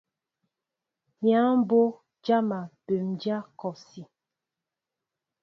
Yaŋ mbo jama bwémdja kɔsí.